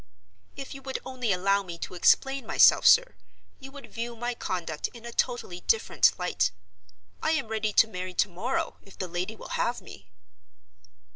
"If you would only allow me to explain myself, sir, you would view my conduct in a totally different light. I am ready to marry to morrow, if the lady will have me."